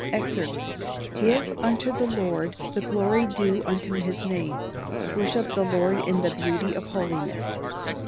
[Verse: "Give unto the Lord the glory due unto his name; worship the Lord in the beauty of holiness."